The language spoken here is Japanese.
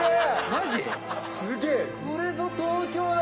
マジ⁉これぞ東京だ。